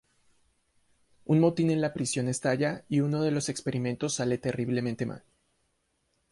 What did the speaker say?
Un motín en la prisión estalla y uno de los experimentos sale terriblemente mal.